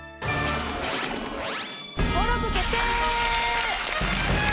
登録決定！